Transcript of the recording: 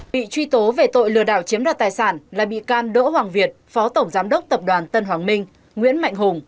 bị truy tố về tội lừa đảo chiếm đoạt tài sản là bị can đỗ hoàng việt phó tổng giám đốc tập đoàn tân hoàng minh nguyễn mạnh hùng